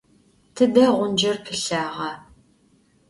Tıde ğuncer pılhağa?